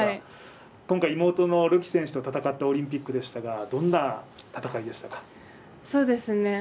今回妹のるき選手と戦ったオリンピックでしたが、どんな戦いでしたか。